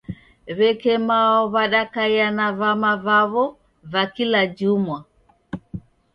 Weke mao wadakaia na vama vawo va kila jumwa.